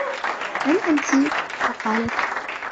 مَنْ أَنْتِ ؟ فَقَالَتْ